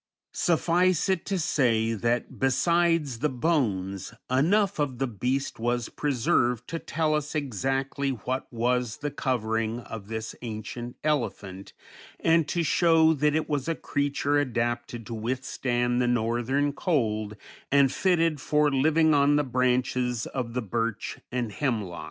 Suffice it to say that, besides the bones, enough of the beast was preserved to tell us exactly what was the covering of this ancient elephant, and to show that it was a creature adapted to withstand the northern cold and fitted for living on the branches of the birch and hemlock.